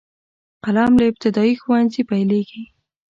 قلم له ابتدايي ښوونځي پیلیږي.